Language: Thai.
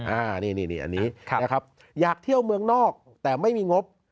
อันนี้นะครับอยากเที่ยวเมืองนอกแต่ไม่มีงบ